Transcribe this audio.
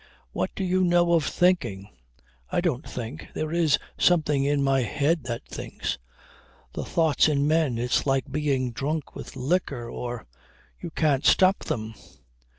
What do you know of thinking. I don't think. There is something in my head that thinks. The thoughts in men, it's like being drunk with liquor or You can't stop them.